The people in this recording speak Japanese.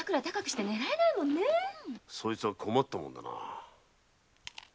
そいつは困ったもんだな。